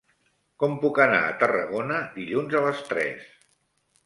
Com puc anar a Tarragona dilluns a les tres?